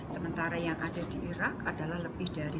sementara yang ada di irak adalah lebih dari